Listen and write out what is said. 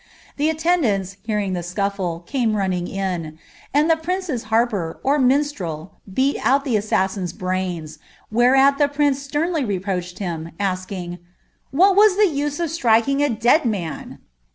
The attendants, hearing the scufiie, ling in, and the prince's harper, or minstrel, beat out the assas }fl ; whereat the prince sternly reproached him, asking, ^ What »e of striking a dead man